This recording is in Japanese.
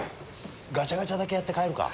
ガチャガチャだけやって帰るか。